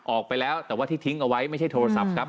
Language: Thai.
ออกไปแล้วแต่ว่าที่ทิ้งเอาไว้ไม่ใช่โทรศัพท์ครับ